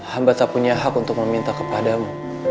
hamba tak punya hak untuk meminta kepadamu